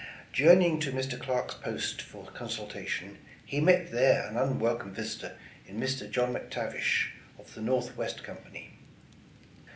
Journeying to Mr. Clarke's post for consultation, he met there an un welcome visitor in Mr. John McTa\dsh. of the Northwest Company.